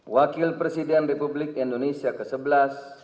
wakil presiden republik indonesia kesebelas